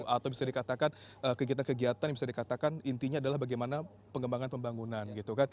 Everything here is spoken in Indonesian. atau bisa dikatakan kegiatan kegiatan yang bisa dikatakan intinya adalah bagaimana pengembangan pembangunan gitu kan